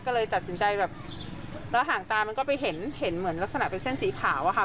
ก็เลยตัดสินใจแบบแล้วห่างตามันก็ไปเห็นเห็นเหมือนลักษณะเป็นเส้นสีขาวอะค่ะ